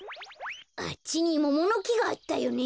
あっちにモモのきがあったよね。